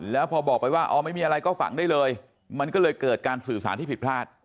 แล้วพอบอกไปว่าอ๋อไม่มีอะไรก็ฝังได้เลยมันก็เลยเกิดการสื่อสารที่ผิดพลาด